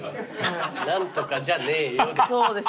「何とかじゃねぇよ！」で。